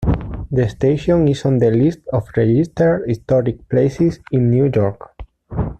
The station is on the List of Registered Historic Places in New York.